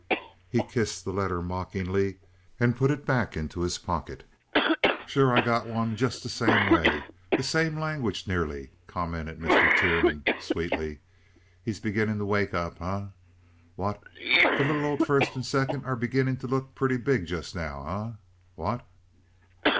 He kissed the letter mockingly and put it back into his pocket. "Sure I got one, jist the same way. The very same langwidge, nearly," commented Mr. Tiernan, sweetly. "He's beginning to wake up, eh? What! The little old first and second are beginning to look purty big just now, eh? What!"